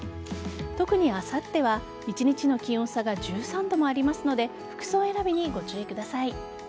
特にあさっては一日の気温差が１３度もありますので服装選びにご注意ください。